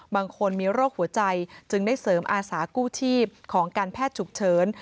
บางคนมีโรคหัวใจจึงได้เสริมอาสากู้ชีพของการแพทย์ฉุกเฉิน